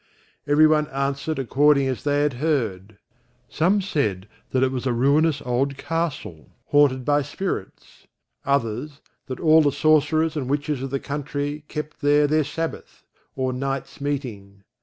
Every one answered according as they had heard; some said that it was a ruinous old castle, haunted by spirits; others, that all the sorcerers and witches of the country kept there their sabbath, or nights meeting.